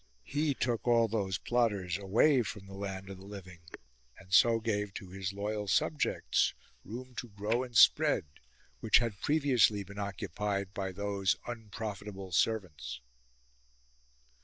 He took all those plotters away from the land of the living ; and so gave to his loyal subjects room to grow and spread, which had previously been occupied by those unpro fitable servants.